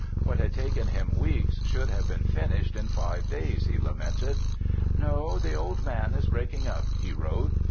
What had taken him weeks should have been finished in five days, he lamented. "No, the old man is breaking up," he wrote.